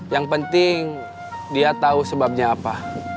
yang penting dia tahu sebabnya apa